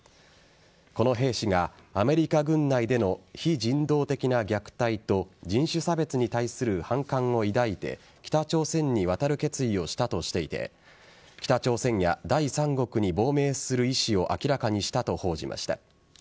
この兵士が、アメリカ軍内での非人道的な虐待と人種差別に対する反感を抱いて北朝鮮に渡る決意をしたとしていて北朝鮮や第三国に亡命する意思を明らかにしたと報じました。